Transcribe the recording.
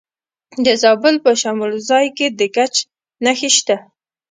د زابل په شمولزای کې د ګچ نښې شته.